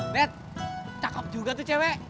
lihat cakep juga tuh cewek